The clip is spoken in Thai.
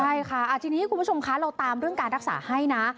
ใช่ค่ะทีนี้คุณผู้ชมคะเราตามเรื่องการรักษาให้นะ